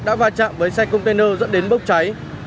đã va chạm với xe container dẫn đến bốc cháy